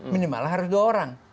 minimal harus dua orang